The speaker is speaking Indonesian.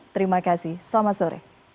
terima kasih selamat sore